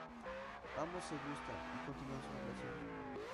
Ambos se gustan y continúan su relación.